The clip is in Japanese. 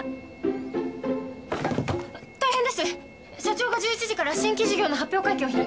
社長が１１時から新規事業の発表会見を開きます。